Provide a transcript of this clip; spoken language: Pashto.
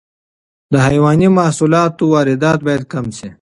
د حیواني محصولاتو واردات باید کم شي.